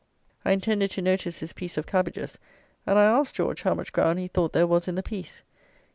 I intended to notice this piece of cabbages, and I asked George how much ground he thought there was in the piece.